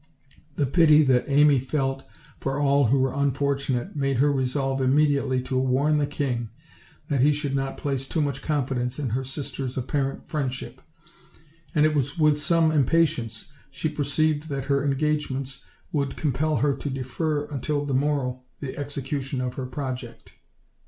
The pity that Amy felt for all who were unforunate made her resolve immediately to warn the king that he should not place too much confidence in her sister's apparent friend ship; and it was with some impatience she perceived that her engagements would compel her to defer until the morrow the execution of her project.